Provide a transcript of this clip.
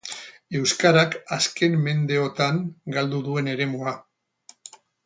Euskarak azken mendeotan galdu duen eremua.